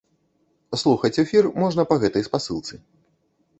Слухаць эфір можна па гэтай спасылцы.